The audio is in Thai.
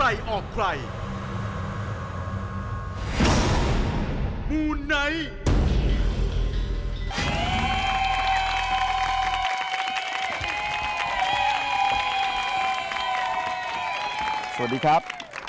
สวัสดีครับ